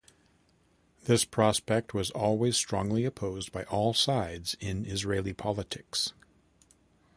This prospect was always strongly opposed by all sides in Israeli politics.